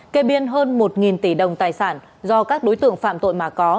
kê biên hơn một tỷ đồng tài sản do các đối tượng phạm tội mà có